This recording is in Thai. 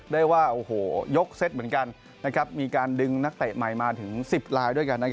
ได้ว่าโอ้โหยกเซตเหมือนกันมีการดึงนักเตะใหม่มาถึง๑๐ลายด้วยกัน